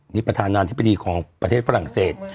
นี่ประธานาธิปดีฝรั่งเศส